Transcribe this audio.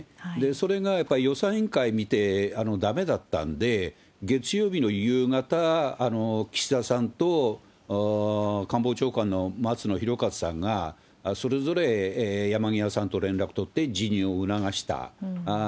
それがやっぱり予算委員会見てだめだったんで、月曜日の夕方、岸田さんと官房長官の松野博一さんが、それぞれ山際さんと連絡取って、辞任を促した。